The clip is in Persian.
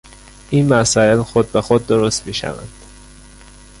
این مسایل خود بخود درست میشوند.